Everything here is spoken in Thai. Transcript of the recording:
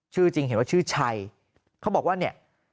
ชื่อจริงเห็นว่าชื่อชัยเขาบอกว่าเนี่ย